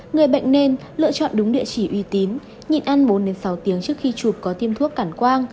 người bệnh nên lựa chọn đúng địa chỉ uy tín nhìn ăn bốn sáu tiếng trước khi chụp có thêm thuốc cản quang